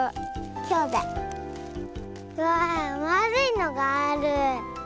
わあまあるいのがある。